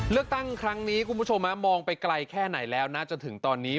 เลือกตั้งครั้งนี้คุณผู้ชมมองไปไกลแค่ไหนแล้วนะจนถึงตอนนี้